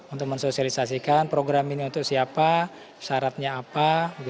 untuk mensosialisasikan program ini untuk siapa syaratnya apa